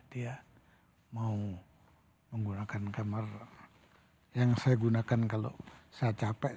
dia mau menggunakan kamar yang saya gunakan kalau saya capek